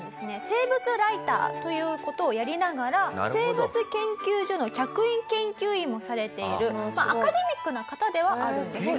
生物ライターという事をやりながら生物研究所の客員研究員もされているアカデミックな方ではあるんです。